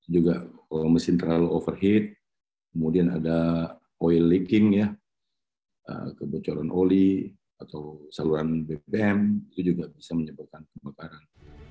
juga kalau mesin terlalu overheat kemudian ada oil leaking ya kebocoran oli atau saluran bpm itu juga bisa menyebabkan kebakaran